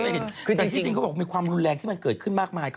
ทุกคนก็เลยเห็นแต่ที่จริงเขาบอกว่ามีความรู้แรงที่มันเกิดขึ้นมากมาย